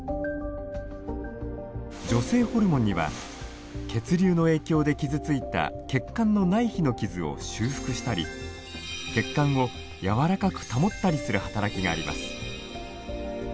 女性ホルモンには血流の影響で傷ついた血管の内皮の傷を修復したり血管を柔らかく保ったりする働きがあります。